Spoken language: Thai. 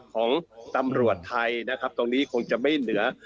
ของตำรวจไทยนะครับตรงนี้คงจะไม่เหนือ